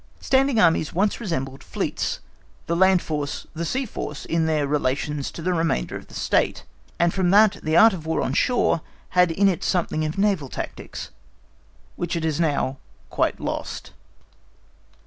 Standing Armies once resembled fleets, the land force the sea force in their relations to the remainder of the State, and from that the Art of War on shore had in it something of naval tactics, which it has now quite lost.